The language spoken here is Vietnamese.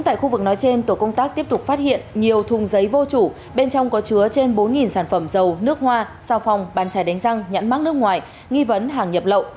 tổ công tác tiếp tục phát hiện nhiều thùng giấy vô chủ bên trong có chứa trên bốn sản phẩm dầu nước hoa sao phòng bàn chai đánh răng nhãn mắc nước ngoài nghi vấn hàng nhập lậu